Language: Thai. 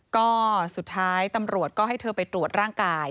ก็สุดท้ายตำรวจก็ให้เธอไปตรวจร่างกาย